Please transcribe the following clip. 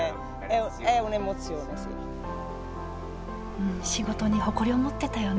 うん仕事に誇りを持ってたよね